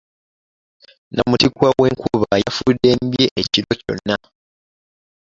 Namutikwa w'enkuba y'afudembye ekiro kyonna